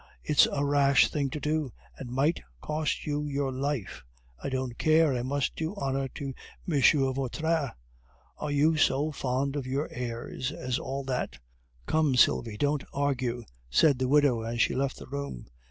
It's a rash thing to do, and might cost you your life." "I don't care, I must do honor to M. Vautrin." "Are you so fond of your heirs as all that?" "Come, Sylvie, don't argue," said the widow, as she left the room.